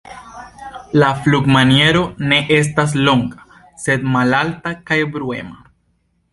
La flugmaniero ne estas longa, sed malalta kaj bruema.